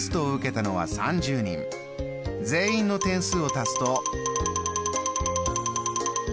全員の点数を足すと。